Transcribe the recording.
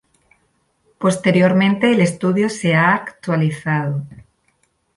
Posteriormente el estudio se ha actualizado.